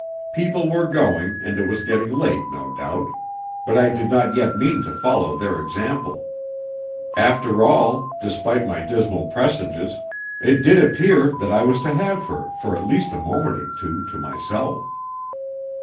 People were going, and it was getting late, no doubt, but I did not yet mean to follow their example. After all despite my dismal presages it did appear that I was to have her for at least a moment or two to myself.